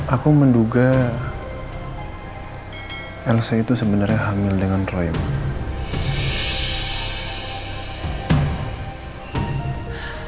aku menduga elsa itu sebenarnya hamil dengan roy ma